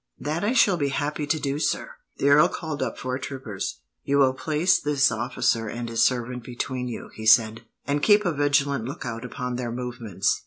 "That I shall be happy to do, sir." The earl called up four troopers. "You will place this officer and his servant between you," he said, "and keep a vigilant lookout upon their movements."